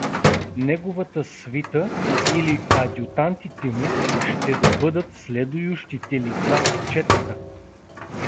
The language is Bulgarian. Неговата свита, или адютантите му, ще да бъдат следующите лица от четата.